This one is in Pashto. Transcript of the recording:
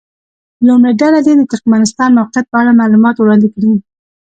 لومړۍ ډله دې د ترکمنستان موقعیت په اړه معلومات وړاندې کړي.